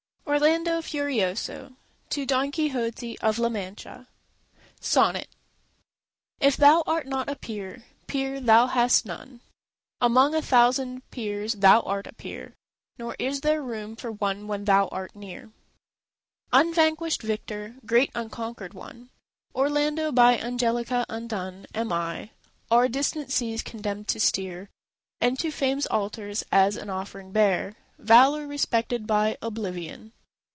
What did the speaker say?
ORLANDO FURIOSO To Don Quixote of La Mancha SONNET If thou art not a Peer, peer thou hast none; Among a thousand Peers thou art a peer; Nor is there room for one when thou art near, Unvanquished victor, great unconquered one! Orlando, by Angelica undone, Am I; o'er distant seas condemned to steer, And to Fame's altars as an offering bear Valour respected by Oblivion.